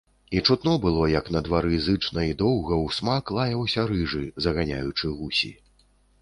І чутно было, як на двары зычна і доўга ўсмак лаяўся рыжы, заганяючы гусі.